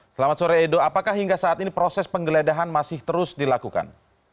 selamat sore edo apakah hingga saat ini proses penggeledahan masih terus dilakukan